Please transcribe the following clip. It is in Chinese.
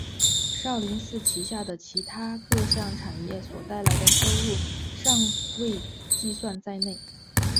少林寺旗下的其它各项产业所带来的收入尚未计算在内。